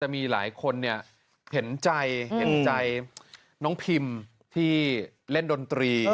แต่มีหลายคนเห็นใจน้องพิมร์ที่เล่นดนตรี